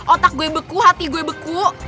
otak gue beku hati gue beku